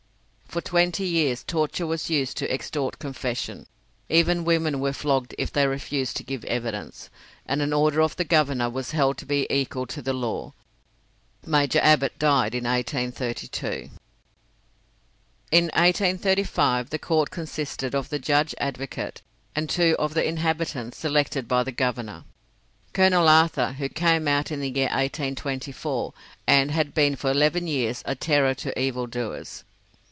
For twenty years torture was used to extort confession even women were flogged if they refused to give evidence, and an order of the Governor was held to be equal to law. Major Abbott died in 1832. In 1835 the court consisted of the judge advocate and two of the inhabitants selected by the Governor, Colonel Arthur, who came out in the year 1824, and had been for eleven years a terror to evil doers.